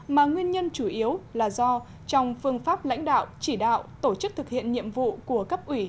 mà nguyên nhân chủ yếu là do trong phương pháp lãnh đạo chỉ đạo tổ chức thực hiện nhiệm vụ của cấp ủy